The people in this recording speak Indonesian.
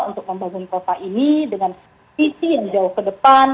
untuk membangun kota ini dengan visi yang jauh ke depan